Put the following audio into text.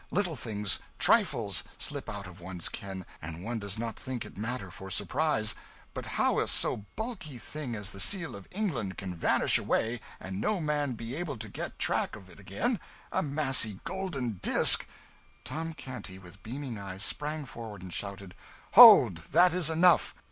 Little things, trifles, slip out of one's ken, and one does not think it matter for surprise; but how so bulky a thing as the Seal of England can vanish away and no man be able to get track of it again a massy golden disk " Tom Canty, with beaming eyes, sprang forward and shouted "Hold, that is enough!